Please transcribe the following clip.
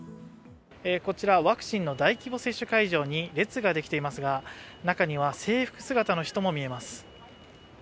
こちらワクチンの大規模接種会場に列ができていますが中には制服姿の人も見えます。